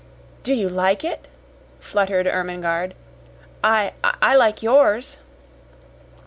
"Do you like it?" fluttered Ermengarde. "I I like yours."